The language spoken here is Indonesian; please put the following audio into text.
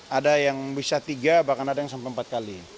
ada yang bisa tiga bahkan ada yang sampai empat kali